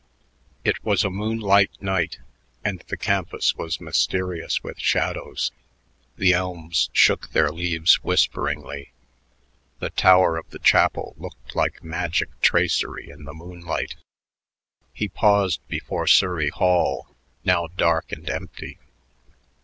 It was a moonlight night, and the campus was mysterious with shadows. The elms shook their leaves whisperingly; the tower of the chapel looked like magic tracery in the moonlight. He paused before Surrey Hall, now dark and empty.